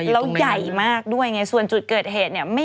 แล้วใหญ่มากด้วยไงส่วนจุดเกิดเหตุเนี่ย